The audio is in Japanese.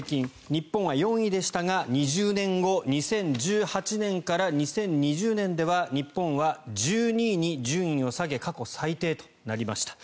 日本は４位でしたが２０年後、２０１８年から２０２０年では日本は１２位に順位を下げ過去最低となりました。